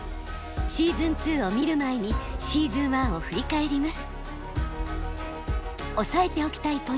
シーズン２を見る前にシーズン１を振り返ります。